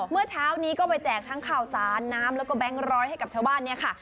เมื่อเช้านี้ก็ไปแจกทั้งข่าวสารน้ำแล้วก็แบงค์ร้อยให้กับชาวบ้านเนี่ยค่ะ